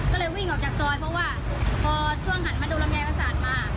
ก็เลยวิ่งออกจากซอยเพราะว่าพอช่วงหันมาดูลำไยประสานมา